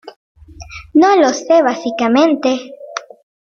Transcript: Mis melodías son extrañas pero no estresantes, ¡al menos espero que no!